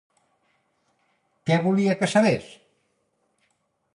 Què volia que sabés?